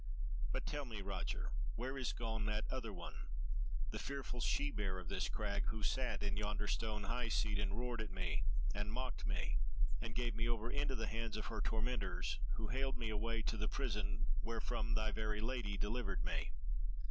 But tell me, Roger, where is gone that other one, the fearful she bear of this crag, who sat in yonder stone high seat, and roared at me and mocked me, and gave me over into the hands of her tormentors, who haled me away to the prison wherefrom thy very Lady delivered me?"